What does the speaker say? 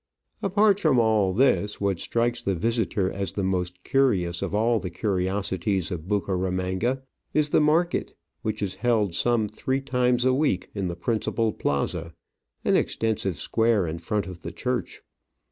Apart from all this, what strikes the visitor as the most curious of all the curiosities of Bucaramanga is the market, which is held some three times a week in the principal plaza, an extensive square in front of the church.